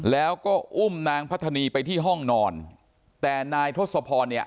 แล้วก็อุ้มนางพัฒนีไปที่ห้องนอนแต่นายทศพรเนี่ย